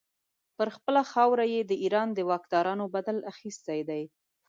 پر خپله خاوره یې د ایران د واکدارانو بدل اخیستی دی.